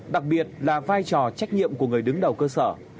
đặc biệt là vai trò trách nhiệm của người đứng đầu cơ sở